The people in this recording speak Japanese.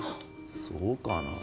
そうかなぁ？